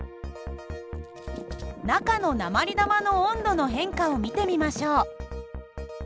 中の鉛玉の温度の変化を見てみましょう。